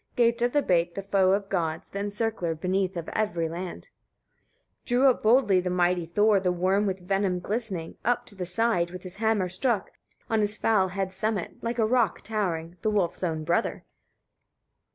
Gaped at the bait the foe of gods, the encircler beneath of every land. 23. Drew up boldly the mighty Thor the worm with venom glistening, up to the side; with his hammer struck, on his foul head's summit, like a rock towering, the wolf's own brother.